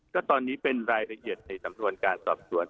ก็ตอนนี้เป็นรายละเอียดในสัมพันธ์การตรับตรวจ